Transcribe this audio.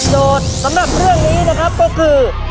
สำหรับเรื่องนี้นะครับก็คือ